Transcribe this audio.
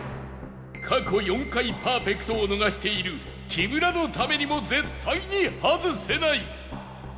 過去４回パーフェクトを逃している木村のためにも絶対に外せない